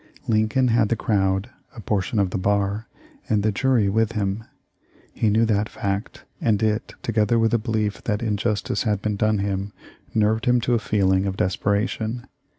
Lincoln had the crowd, a portion of the bar, and the jury with him. He knew that fact, and it, together with the belief that injustice had been done him, nerved him to a feeling of desperation.